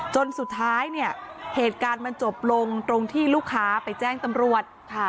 จนสุดท้ายเนี่ยเหตุการณ์มันจบลงตรงที่ลูกค้าไปแจ้งตำรวจ